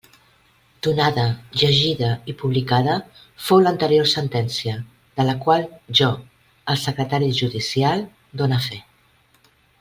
Donada, llegida i publicada fou l'anterior sentència, de la qual jo, el secretari judicial, done fe.